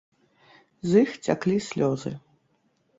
З іх цяклі слёзы.